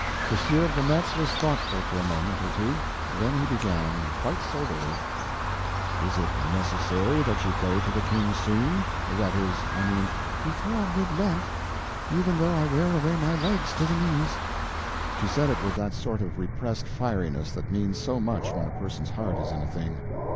The Sieur de Metz was thoughtful for a moment or two, then he began, quite soberly: "Is it necessary that you go to the King soon?—that is, I mean—" "Before Mid Lent, even though I wear away my legs to the knees!" She said it with that sort of repressed fieriness that means so much when a person's heart is in a thing.